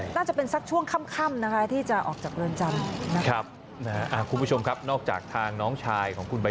น่าจะเป็นสักช่วงค่ำนะคะที่จะออกจากเรือนจำนะครับ